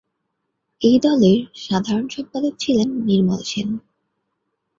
এই দলের সাধারণ সম্পাদক ছিলেন নির্মল সেন।